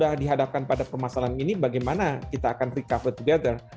kita harus menghadapkan pada permasalahan ini bagaimana kita akan recover together